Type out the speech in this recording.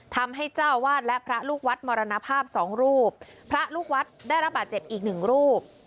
ทำให้เจ้าวาดและพระลูกวัดมรณภาพสองรูปพระลูกวัดได้รับบาดเจ็บอีกหนึ่งรูป